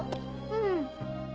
うん。